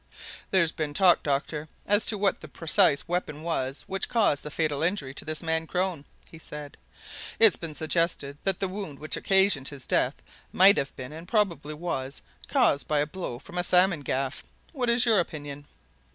"There's been talk, doctor, as to what the precise weapon was which caused the fatal injury to this man Crone," he said. "It's been suggested that the wound which occasioned his death might have been and probably was caused by a blow from a salmon gaff. What is your opinion?"